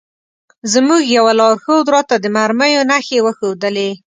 زموږ یوه لارښود راته د مرمیو نښې وښودلې.